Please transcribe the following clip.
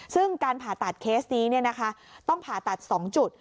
ซึ่งการผ่าตัดเคสนี้ต้องผ่าตัด๒จุด